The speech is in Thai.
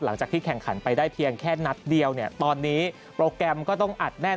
หลังจากที่แข่งขันไปได้เพียงแค่นัดเดียวเนี่ยตอนนี้โปรแกรมก็ต้องอัดแน่น